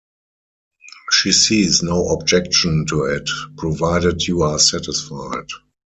She sees no objection to it, provided you are satisfied.